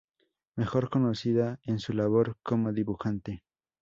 Mejor conocida es su labor como dibujante.